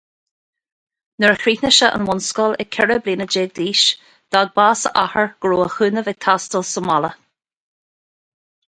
Nuair a chríochnaigh sé an bhunscoil ag ceithre bliana déag d'aois, d'fhág bás a athar go raibh a chúnamh ag teastáil sa mbaile.